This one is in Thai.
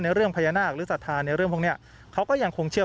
เรื่องพญานาคหรือศรัทธาในเรื่องพวกนี้เขาก็ยังคงเชื่อ